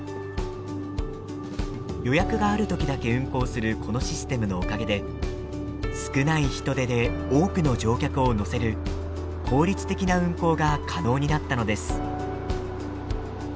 予約がある時だけ運行するこのシステムのおかげで少ない人手で多くの乗客を乗せる効率的な運行が可能になったのです。